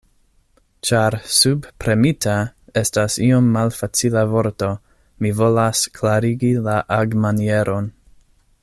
Ĉar 'subpremita' estas iom malfacila vorto, mi volas klarigi la agmanieron.